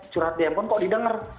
curhat di handphone kok didengar